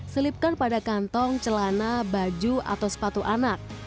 selipkan pada kantong celana baju atau sepatu anak